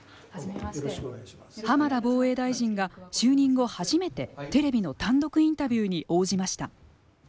浜田防衛大臣が、就任後初めてテレビの単独インタビューに応じました。